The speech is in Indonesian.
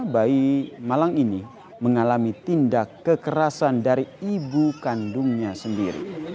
bayi malang ini mengalami tindak kekerasan dari ibu kandungnya sendiri